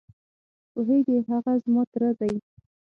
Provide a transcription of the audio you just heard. پوهېږې؟ هغه زما تره دی.